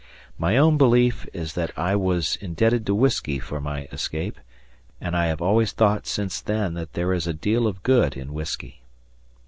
My own belief is that I was indebted to whiskey for my escape, and I have always thought since then that there is a deal of good in whiskey.